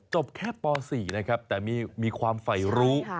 จบแค่ป๔นะครับแต่มีความฝ่ายรู้